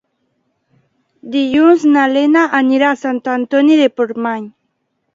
Dilluns na Lena anirà a Sant Antoni de Portmany.